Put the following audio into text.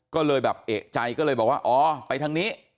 ก็เลยแบบเอกใจก็เลยบอกว่าอ๋อไปทางนี้